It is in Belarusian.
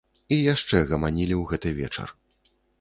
І яшчэ гаманілі ў гэты вечар.